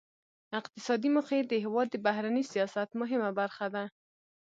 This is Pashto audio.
اقتصادي موخې د هیواد د بهرني سیاست مهمه برخه ده